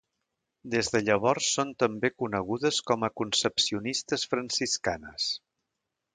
Des de llavors són també conegudes com a concepcionistes franciscanes.